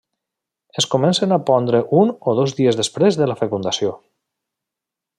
Es comencen a pondre un o dos dies després de la fecundació.